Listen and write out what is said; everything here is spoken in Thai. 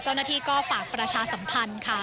เจ้าหน้าที่ก็ฝากประชาสัมพันธ์ค่ะ